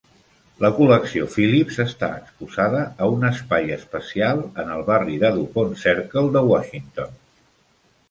La col·lecció Phillips està exposada a un espai especial en el barri de Dupont Circle de Washington.